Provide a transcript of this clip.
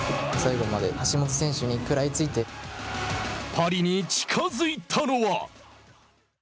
パリに近づいたのは。